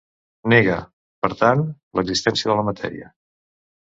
Nega, per tant, l'existència de la matèria.